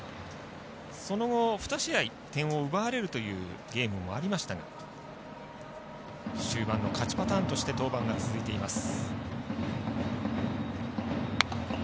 その後、２試合点を奪われるというゲームもありましたが終盤の勝ちパターンとして登板が続いています。